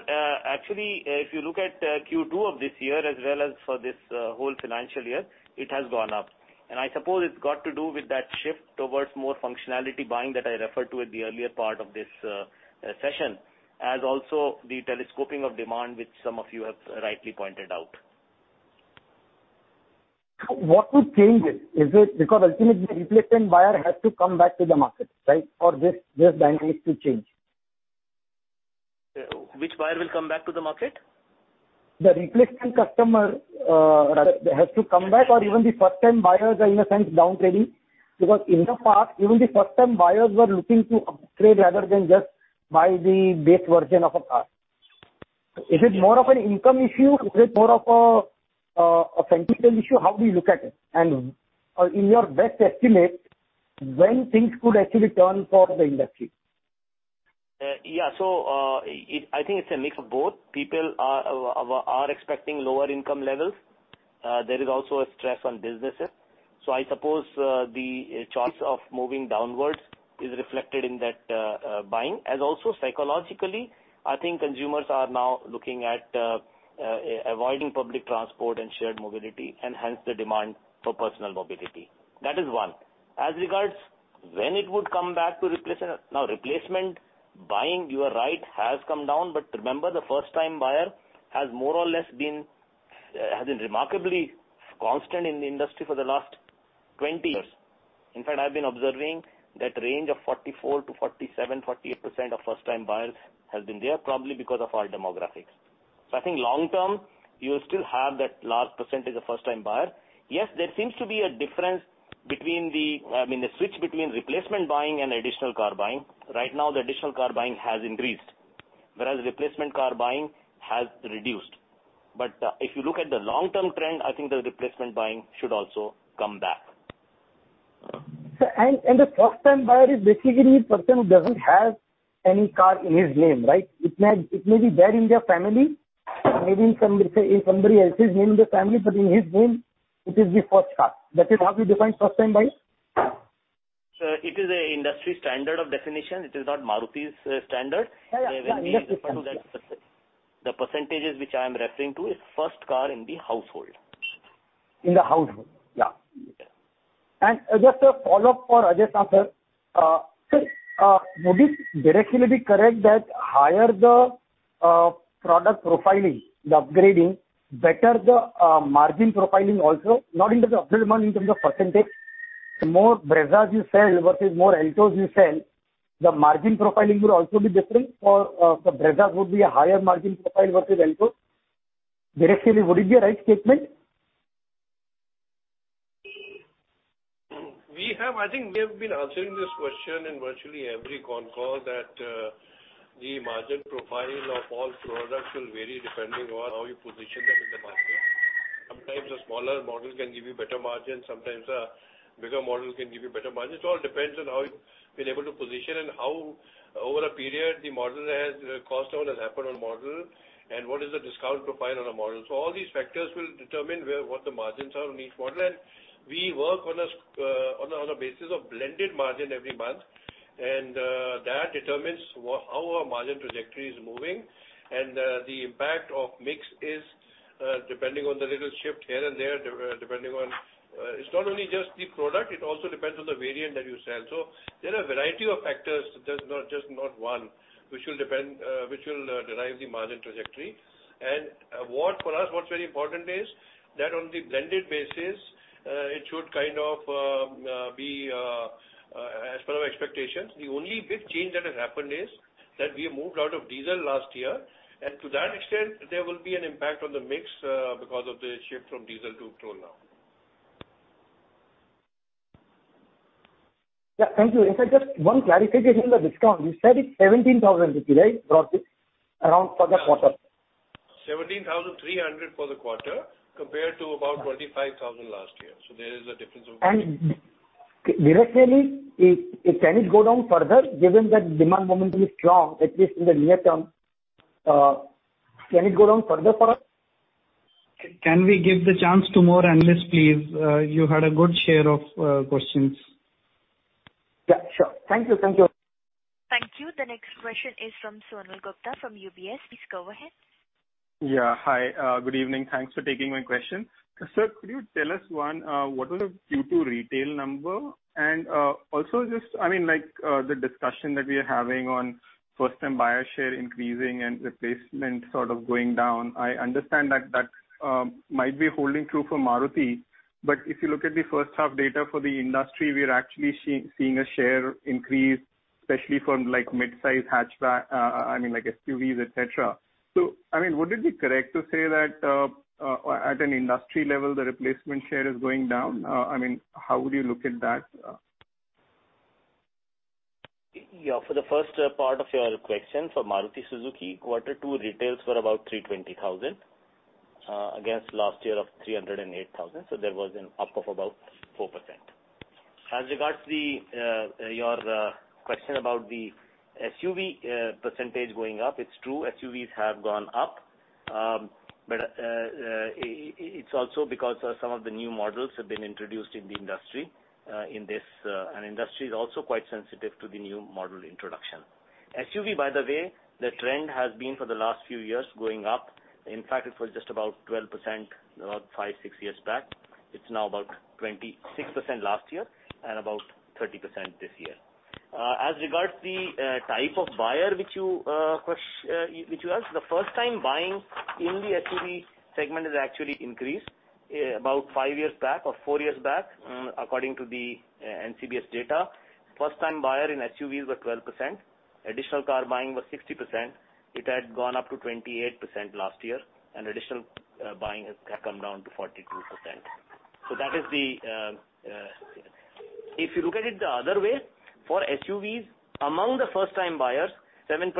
actually, if you look at Q2 of this year as well as for this whole financial year, it has gone up. I suppose it's got to do with that shift towards more functionality buying that I referred to at the earlier part of this session, as also the telescoping of demand, which some of you have rightly pointed out. What would change it? Is it because ultimately the replacement buyer has to come back to the market, right, or this dynamic to change? Which buyer will come back to the market? The replacement customer has to come back, or even the first-time buyers are in a sense downtrading because in the past, even the first-time buyers were looking to upgrade rather than just buy the base version of a car. Is it more of an income issue? Is it more of a sentimental issue? How do you look at it? In your best estimate, when things could actually turn for the industry? Yeah. I think it's a mix of both. People are expecting lower income levels. There is also a stress on businesses. I suppose the choice of moving downwards is reflected in that buying. As also psychologically, I think consumers are now looking at avoiding public transport and shared mobility, and hence the demand for personal mobility. That is one. As regards when it would come back to replacement, now replacement buying, you are right, has come down. Remember, the first-time buyer has more or less been remarkably constant in the industry for the last 20 years. In fact, I've been observing that range of 44%-47%-48% of first-time buyers has been there, probably because of our demographics. I think long-term, you'll still have that large percentage of first-time buyers. Yes, there seems to be a difference between the, I mean, the switch between replacement buying and additional car buying. Right now, the additional car buying has increased, whereas replacement car buying has reduced. If you look at the long-term trend, I think the replacement buying should also come back. The first-time buyer is basically the person who does not have any car in his name, right? It may be there in their family, maybe in somebody else's name in their family, but in his name, it is the first car. That is how you define first-time buyer? It is an industry standard of definition. It is not Maruti's standard. Yeah. Yeah. I mean, the percentages which I am referring to is first car in the household. In the household. Yeah. And just a follow-up for Ajay San. Would it directly be correct that higher the product profiling, the upgrading, better the margin profiling also, not in terms of percentage, the more Brezzas you sell versus more Altos you sell, the margin profiling will also be different for Brezzas would be a higher margin profile versus Altos? Directly, would it be a right statement? I think we have been answering this question in virtually every con call that the margin profile of all products will vary depending on how you position them in the market. Sometimes a smaller model can give you better margin. Sometimes a bigger model can give you better margin. It all depends on how you've been able to position and how over a period the cost down has happened on a model and what is the discount profile on a model. All these factors will determine what the margins are on each model. We work on a basis of blended margin every month, and that determines how our margin trajectory is moving. The impact of mix is depending on the little shift here and there, depending on it's not only just the product. It also depends on the variant that you sell. There are a variety of factors, just not one, which will drive the margin trajectory. For us, what is very important is that on the blended basis, it should kind of be as per our expectations. The only big change that has happened is that we moved out of diesel last year. To that extent, there will be an impact on the mix because of the shift from diesel to petrol now. Yeah. Thank you. Just one clarification on the discount. You said it is 17,000 this year, right, around for the quarter? 17,300 for the quarter compared to about 25,000 last year. There is a difference of. Directly, can it go down further given that demand momentum is strong, at least in the near term? Can it go down further for us? Can we give the chance to more analysts, please? You had a good share of questions. Yeah. Sure. Thank you. Thank you. Thank you. The next question is from Sonal Gupta from UBS. Please go ahead. Yeah. Hi. Good evening. Thanks for taking my question. Sir, could you tell us one, what was the Q2 retail number? Also, just, I mean, the discussion that we are having on first-time buyer share increasing and replacement sort of going down, I understand that that might be holding true for Maruti. If you look at the first-half data for the industry, we are actually seeing a share increase, especially for mid-size hatchback, I mean, SUVs, etc. I mean, would it be correct to say that at an industry level, the replacement share is going down? I mean, how would you look at that? Yeah. For the first part of your question, for Maruti Suzuki, quarter two retails were about 320,000 against last year of 308,000. There was an up of about 4%. As regards to your question about the SUV percentage going up, it's true. SUVs have gone up. It's also because some of the new models have been introduced in the industry, and industry is also quite sensitive to the new model introduction. SUV, by the way, the trend has been for the last few years going up. In fact, it was just about 12% about five-six years back. It's now about 26% last year and about 30% this year. As regards the type of buyer which you asked, the first-time buying in the SUV segment has actually increased. About five years back or four years back, according to the NCBS data, first-time buyer in SUVs was 12%. Additional car buying was 60%. It had gone up to 28% last year, and additional buying has come down to 42%. If you look at it the other way, for SUVs, among the first-time buyers, 7%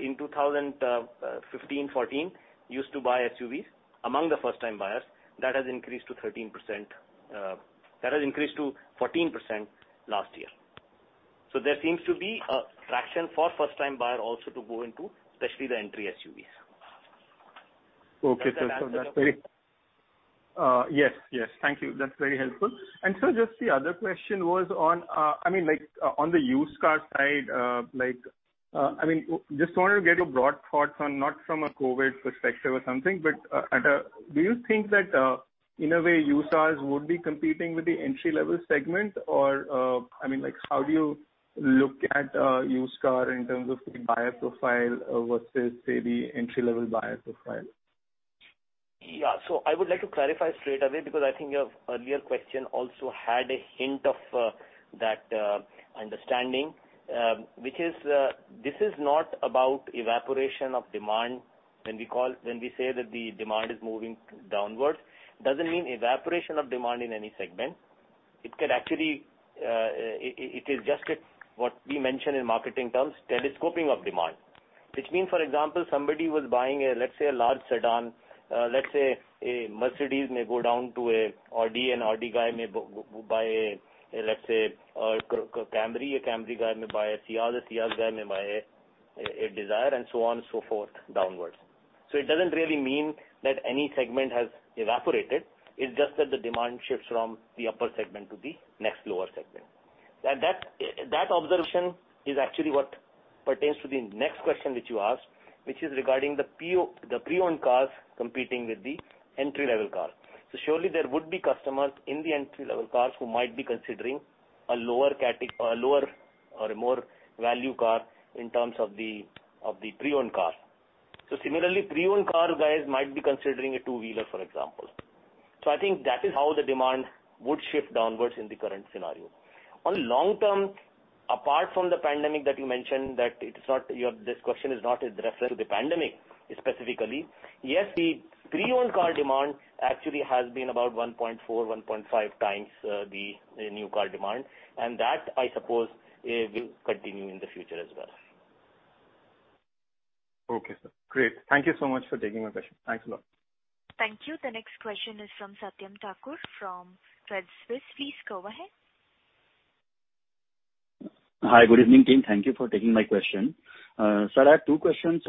in 2015, 2014 used to buy SUVs. Among the first-time buyers, that has increased to 13%. That has increased to 14% last year. There seems to be a traction for first-time buyer also to go into, especially the entry SUVs. Okay. Thank you. Yes. Yes. Thank you. That's very helpful. And sir, just the other question was on, I mean, on the used car side, I mean, just wanted to get your broad thoughts on not from a COVID perspective or something, but do you think that in a way, used cars would be competing with the entry-level segment? Or, I mean, how do you look at used car in terms of the buyer profile versus, say, the entry-level buyer profile? Yeah. I would like to clarify straight away because I think your earlier question also had a hint of that understanding, which is this is not about evaporation of demand. When we say that the demand is moving downwards, it does not mean evaporation of demand in any segment. It could actually be just what we mentioned in marketing terms, telescoping of demand, which means, for example, somebody was buying a, let's say, a large sedan. Let's say a Mercedes may go down to an Audi, an Audi guy may buy, let's say, a Camry. A Camry guy may buy a Ciaz. A Ciaz guy may buy a Dzire, and so on and so forth downwards. It does not really mean that any segment has evaporated. It is just that the demand shifts from the upper segment to the next lower segment. That observation is actually what pertains to the next question which you asked, which is regarding the pre-owned cars competing with the entry-level car. Surely there would be customers in the entry-level cars who might be considering a lower or a more value car in terms of the pre-owned car. Similarly, pre-owned car guys might be considering a two-wheeler, for example. I think that is how the demand would shift downwards in the current scenario. On the long term, apart from the pandemic that you mentioned, that this question is not in reference to the pandemic specifically, yes, the pre-owned car demand actually has been about 1.4x-1.5x the new car demand. That, I suppose, will continue in the future as well. Okay. Great. Thank you so much for taking my question. Thanks a lot. Thank you. The next question is from Satyam Thakur from Credit Suisse. Please go ahead. Hi. Good evening, team. Thank you for taking my question. Sir, I have two questions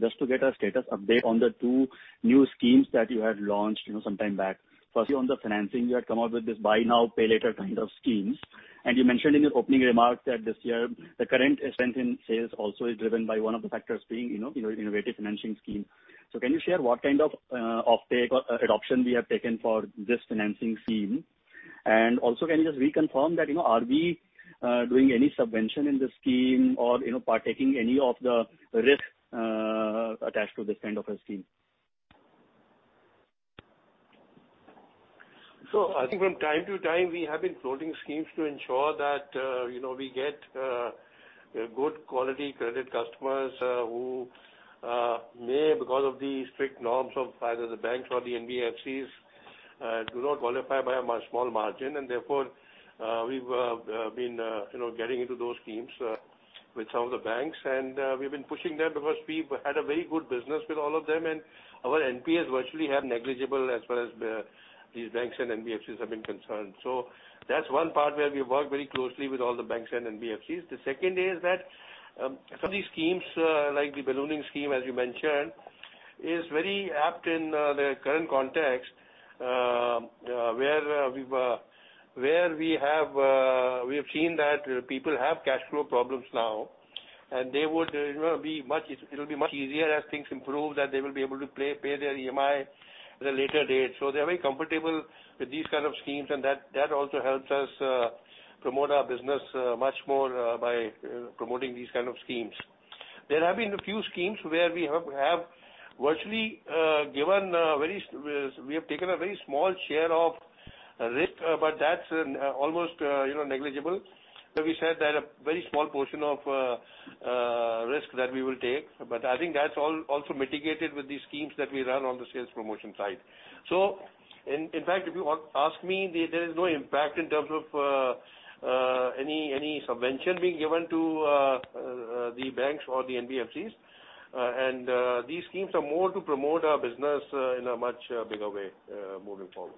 just to get a status update on the two new schemes that you had launched some time back. Firstly, on the financing, you had come up with this buy now, pay later kind of schemes. You mentioned in your opening remarks that this year, the current strength in sales also is driven by one of the factors being innovative financing schemes. Can you share what kind of offtake or adoption we have taken for this financing scheme? Also, can you just reconfirm that are we doing any subvention in the scheme or partaking any of the risks attached to this kind of a scheme? I think from time to time, we have been floating schemes to ensure that we get good quality credit customers who may, because of the strict norms of either the banks or the NBFCs, do not qualify by a small margin. Therefore, we've been getting into those schemes with some of the banks. We've been pushing them because we've had a very good business with all of them. Our NPS virtually have been negligible as far as these banks and NBFCs have been concerned. That's one part where we work very closely with all the banks and NBFCs. The second is that some of these schemes, like the ballooning scheme, as you mentioned, is very apt in the current context where we have seen that people have cash flow problems now. It will be much easier as things improve that they will be able to pay their EMI at a later date. They are very comfortable with these kinds of schemes. That also helps us promote our business much more by promoting these kinds of schemes. There have been a few schemes where we have virtually given a very, we have taken a very small share of risk, but that is almost negligible. We said that a very small portion of risk that we will take. I think that is also mitigated with the schemes that we run on the sales promotion side. In fact, if you ask me, there is no impact in terms of any subvention being given to the banks or the NBFCs. These schemes are more to promote our business in a much bigger way moving forward.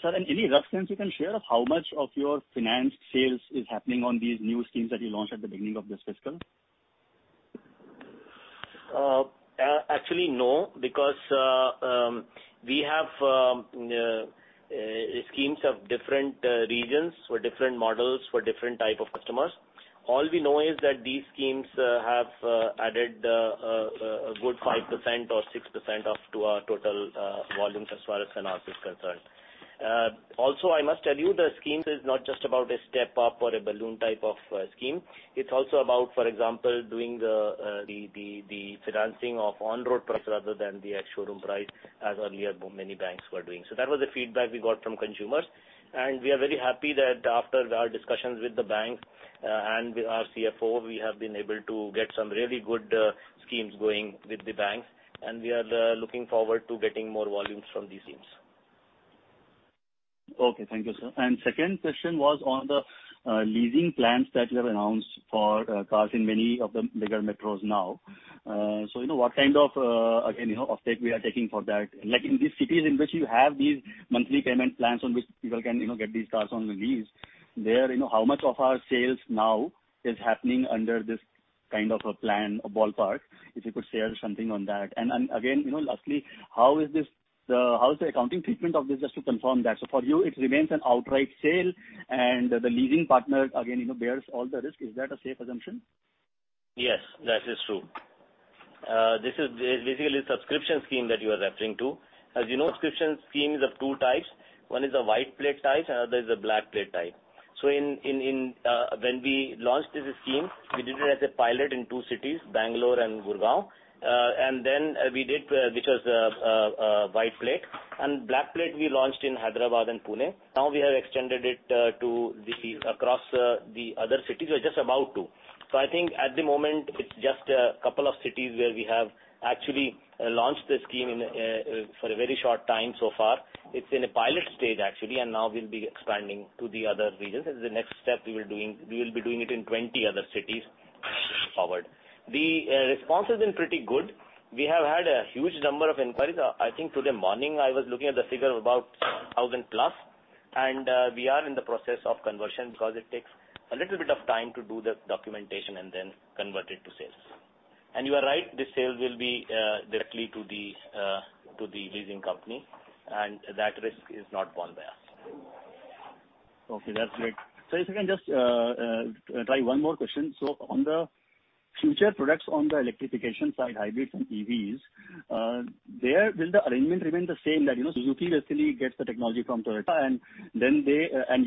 Sir, any rough sense you can share of how much of your financed sales is happening on these new schemes that you launched at the beginning of this fiscal? Actually, no, because we have schemes of different regions for different models for different types of customers. All we know is that these schemes have added a good 5% or 6% up to our total volumes as far as financing is concerned. Also, I must tell you, the scheme is not just about a step-up or a balloon type of scheme. It's also about, for example, doing the financing of on-road price rather than the actual room price as earlier many banks were doing. That was the feedback we got from consumers. We are very happy that after our discussions with the banks and with our CFO, we have been able to get some really good schemes going with the banks. We are looking forward to getting more volumes from these schemes. Okay. Thank you, sir. The second question was on the leasing plans that you have announced for cars in many of the bigger metros now. What kind of, again, offtake are we seeing for that? In these cities in which you have these monthly payment plans on which people can get these cars on lease, how much of our sales now is happening under this kind of a plan, a ballpark, if you could share something on that? Lastly, how is the accounting treatment of this just to confirm that? For you, it remains an outright sale, and the leasing partner, again, bears all the risk. Is that a safe assumption? Yes, that is true. This is basically the subscription scheme that you are referring to. As you know, subscription schemes are of two types. One is a white plate type, and the other is a black plate type. When we launched this scheme, we did it as a pilot in two cities, Bangalore and Gurgaon. That was a white plate. Black plate, we launched in Hyderabad and Pune. Now we have extended it across the other cities. We are just about to. I think at the moment, it is just a couple of cities where we have actually launched the scheme for a very short time so far. It is in a pilot stage, actually, and now we will be expanding to the other regions. The next step, we will be doing it in 20 other cities forward. The response has been pretty good. We have had a huge number of inquiries. I think today morning, I was looking at the figure of about 1,000+. We are in the process of conversion because it takes a little bit of time to do the documentation and then convert it to sales. You are right, the sales will be directly to the leasing company, and that risk is not borne by us. Okay. That's great. Sir, if you can just try one more question. On the future products on the electrification side, hybrids and EVs, will the arrangement remain the same that Suzuki basically gets the technology from Toyota, and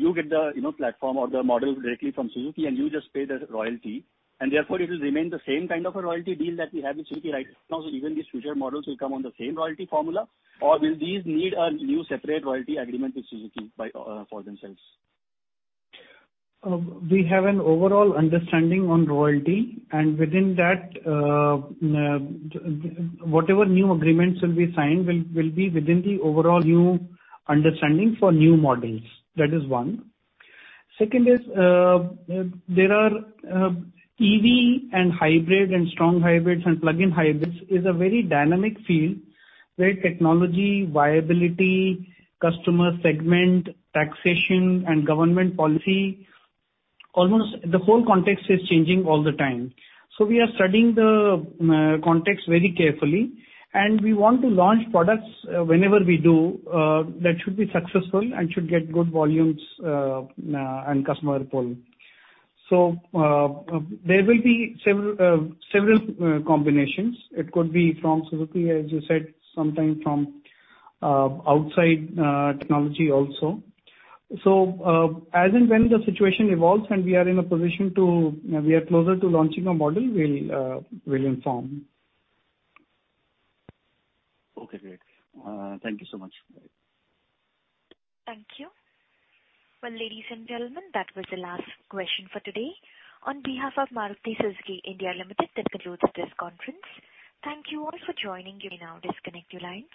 you get the platform or the model directly from Suzuki, and you just pay the royalty? Therefore, it will remain the same kind of a royalty deal that we have with Suzuki right now? Even these future models will come on the same royalty formula, or will these need a new separate royalty agreement with Suzuki for themselves? We have an overall understanding on royalty. Within that, whatever new agreements will be signed will be within the overall new understanding for new models. That is one. Second is there are EV and hybrid and strong hybrids and plug-in hybrids. It is a very dynamic field where technology, viability, customer segment, taxation, and government policy, almost the whole context is changing all the time. We are studying the context very carefully. We want to launch products whenever we do that should be successful and should get good volumes and customer pool. There will be several combinations. It could be from Suzuki, as you said, sometimes from outside technology also. As and when the situation evolves and we are in a position to we are closer to launching a model, we will inform. Okay. Great. Thank you so much. Thank you. Ladies and gentlemen, that was the last question for today. On behalf of Maruti Suzuki India Limited, that concludes this conference. Thank you all for joining. You may now disconnect your lines.